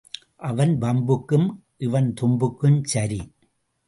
அவன் வம்புக்கும் இவன் தும்புக்கும் சரி.